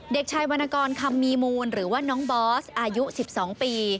เด็กชายวรรณกรคำมีมูลหรือว่าน้องบอสอายุ๑๒ปี